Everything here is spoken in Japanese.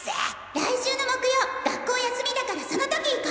来週の木曜学校休みだからその時行こ！